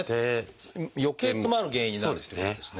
よけい詰まる原因になるってことですね。